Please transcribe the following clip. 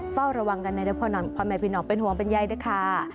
เฝ้าระวังกันนะครับพ่อหน่อยพ่อแม่พี่น้องเป็นห่วงเป็นใยนะคะ